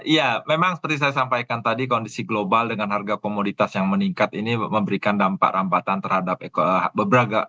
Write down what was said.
ya memang seperti saya sampaikan tadi kondisi global dengan harga komoditas yang meningkat ini memberikan dampak rampatan terhadap beberapa